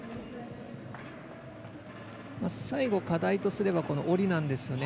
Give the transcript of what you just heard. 最後、課題とすれば下りなんですよね。